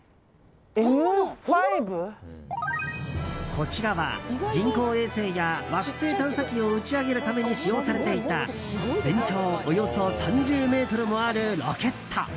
こちらは人工衛星や惑星探査機を打ち上げるために使用されていた全長およそ３０ｍもあるロケット。